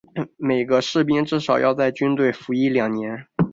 每个士兵至少要在军队服役两年。